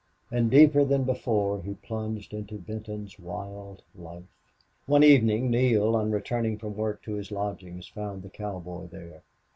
And deeper than before he plunged into Benton's wild life. One evening Neale, on returning from work to his lodgings, found the cowboy there.